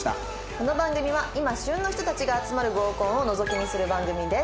この番組は今旬な人たちが集まる合コンをのぞき見する番組です。